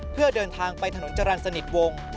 เพื่อเดินทางไปถนนจรรย์สนิทวงศ์